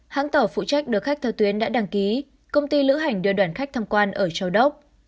hãng tàu phụ trách đưa khách theo tuyến đã đăng ký công ty lữ hành đưa đoàn khách tham quan ở châu đốc